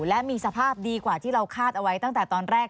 และมีสภาพดีกว่าที่เราคาดเอาไว้ตั้งแต่ตอนแรก